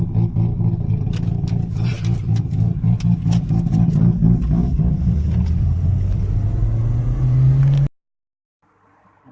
กลับมาเสียงของกลุ่มนึง